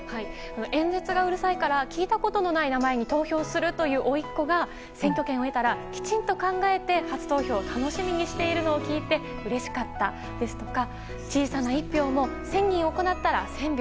演説がうるさいから聞いたことのない名前に投票するという、おいっ子が選挙権を得たらきちんと考えて初投票を楽しみにしているのを聞いて、うれしかったですとか小さな１票も１０００人行ったら１０００票。